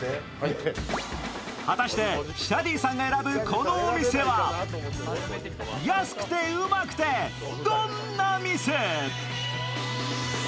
果たしてシャディさんが選ぶ、このお店は安くてウマくてどんな店？